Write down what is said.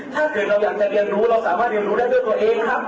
ถ้าเกิดเราอยากจะเรียนรู้เราสามารถเรียนรู้ได้ด้วยตัวเองนะครับ